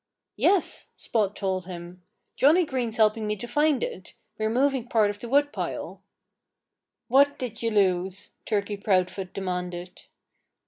"Yes!" Spot told him. "Johnnie Green's helping me to find it. We're moving part of the woodpile." "What did you lose?" Turkey Proudfoot demanded.